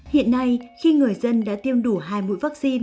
hiện nay khi người dân đã tiêm đủ hạt